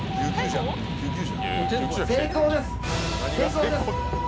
成功です。